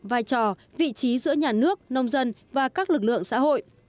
vai trò vị trí giữa nhà nước nông dân và các lực lượng xã hội